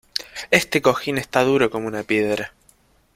Este cojín está duro como una piedra.